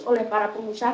oleh para pengusaha